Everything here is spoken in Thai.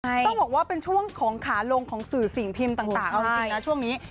ต้องบอกว่าเป็นช่วงของขาลงของสื่อสิ่งพิมพ์ต่างเอาจริงนะช่วงนี้